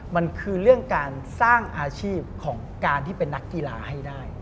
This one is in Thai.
มันคือเรื่องการสร้างอาชีพของการที่เป็นนักกีฬาให้ได้